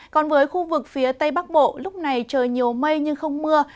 còn với khu vực phía tây bắc bộ lúc này trời nhiều mây nhưng không mưa